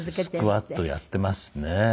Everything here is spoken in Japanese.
スクワットやっていますね。